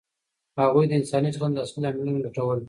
هغوی د انساني چلند اصلي لاملونه لټول.